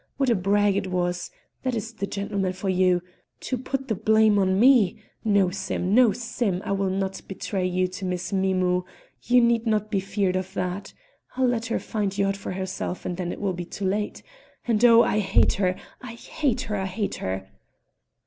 What a brag it was! That is the gentleman for you! to put the blame on me. No, Sim; no, Sim; I will not betray you to Miss Mim mou', you need not be feared of that; I'll let her find you out for herself and then it will be too late. And, oh! I hate her! hate her! hate her!"